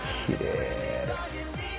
「きれい！」